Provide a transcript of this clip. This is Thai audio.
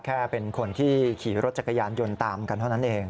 แค่เป็นคนที่ขี่รถจักรยานยนต์ตามกันเท่านั้นเอง